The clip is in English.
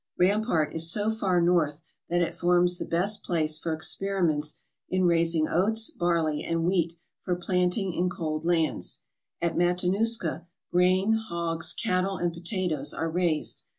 Rampart is so far north that it forms the best place for experiments in raising oats, barley, and wheat for planting in cold lands. At Matanuska grain, hogs, cattle, and potatoes are raised.